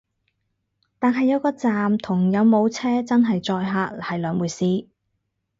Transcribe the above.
但係有個站同有冇車真係載客係兩回事